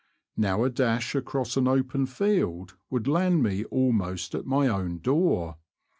Now a dash across an open field would land me almost at my own door.